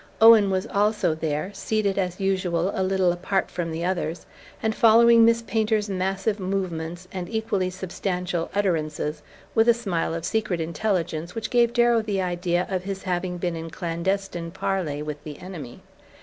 Owen was also there, seated, as usual, a little apart from the others, and following Miss Painter's massive movements and equally substantial utterances with a smile of secret intelligence which gave Darrow the idea of his having been in clandestine parley with the enemy.